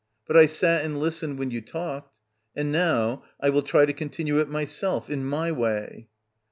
But I sat and lis tened when you talked. And now I will try to con tinue it myself — in my way.